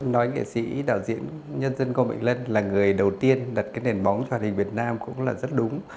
nói nghệ sĩ đạo diễn nhân dân ngu mạnh lân là người đầu tiên đặt cái nền bóng cho hòa hình việt nam cũng là rất đúng